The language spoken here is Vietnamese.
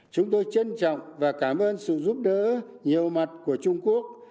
chúng tôi trân trọng và cảm ơn sự giúp đỡ nhiều mặt của trung quốc